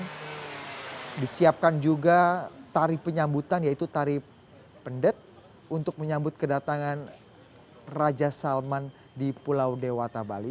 dan disiapkan juga tari penyambutan yaitu tari pendet untuk menyambut kedatangan raja salman di pulau dewata bali